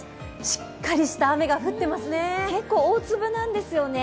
しっかりした雨が降っていますね。